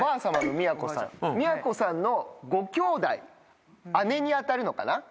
都さんのごきょうだい姉に当たるのかな。